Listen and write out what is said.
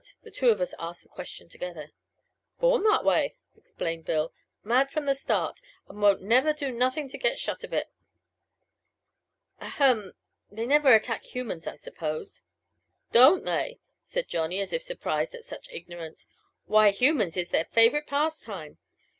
The two of us asked the question together. "Born that way!" explained Bill "mad from the start, and won't never do nothin' to get shut of it." "Ahem they never attack humans, I suppose?" "Don't they?" said Johnny, as if surprised at such ignorance. "Why, humans is their favorite pastime!